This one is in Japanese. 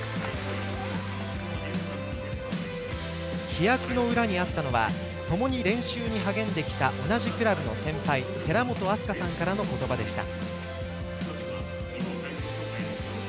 飛躍の裏にあったのはともに練習に励んできた同じクラブの先輩寺本明日香さんからのことばでした。